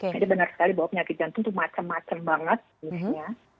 jadi benar sekali bahwa penyakit jantung itu macem macem banget sebenarnya